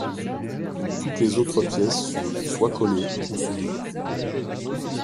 Toutes les autres pièces sont, soit collées ou soudées.